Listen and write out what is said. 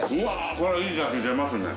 これいいだし出ますね。